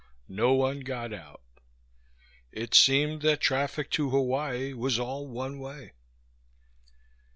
No one got out. It seemed that traffic to Hawaii was all one way.